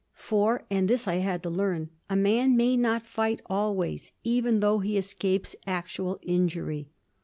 For and this I had to learn a man may not fight always, even although he escapes actual injury.